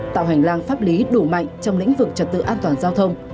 tạo hành lang pháp lý đủ mạnh trong lĩnh vực trật tự an toàn giao thông